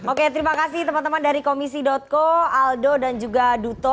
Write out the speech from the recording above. oke terima kasih teman teman dari komisi co aldo dan juga duto